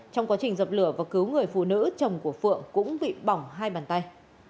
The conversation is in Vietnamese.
trong quá trình dập lửa và cứu người phụ nữ chồng của phượng cũng bị bỏng hai bàn tay